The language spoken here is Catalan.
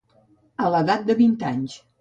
A l'edat de vint anys.